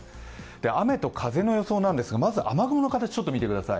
雨と風の予想なんですがまず雨雲の風を見てください。